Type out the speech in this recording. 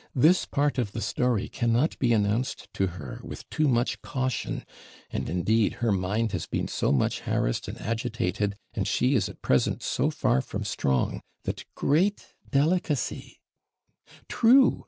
This part of the story cannot be announced to her with too much caution; and, indeed, her mind has been so much harassed and agitated, and she is at present so far from strong, that great delicacy ' 'True!